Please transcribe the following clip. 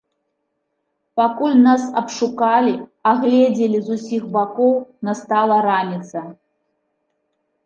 Пакуль нас абшукалі, агледзелі з усіх бакоў, настала раніца.